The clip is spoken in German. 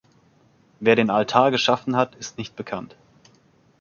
Wer den Altar geschaffen hat, ist nicht bekannt.